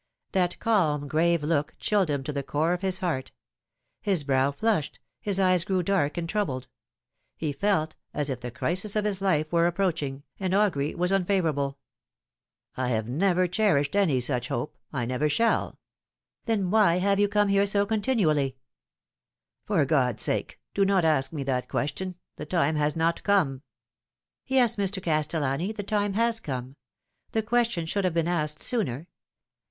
That calm, grave look chilled him to the core of his heart. His brow flushed, bis eyes grew dark and troubled. He felt as if the crisis of his life were approaching, and augury was un favourable. " I have never cherished any such hope ; I never shalL" " Then why have you come here so continually ?"" For God's sake, do not ask me that question ! The time has not come." " Yes, Mr. Castellani, the time has come. The question should have been asked sooner.